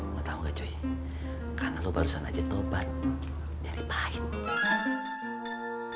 gak tau gak cuy karena lo barusan aja tobat jadi pahit